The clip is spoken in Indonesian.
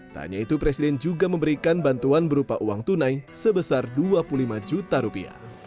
tanya itu presiden juga memberikan bantuan berupa uang tunai sebesar dua puluh lima juta rupiah